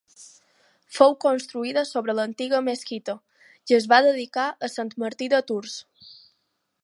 Fou construïda sobre l'antiga mesquita i es va dedicar a Sant Martí de Tours.